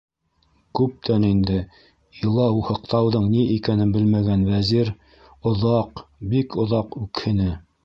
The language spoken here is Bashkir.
Күптән инде илау-һыҡтауҙың ни икәнен белмәгән Вәзир оҙаҡ, бик оҙаҡ үкһене.